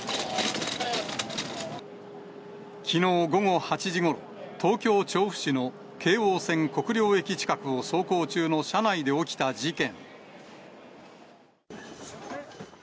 きのう午後８時ごろ、東京・調布市の京王線国領駅近くを走行中の車内で起きた事件。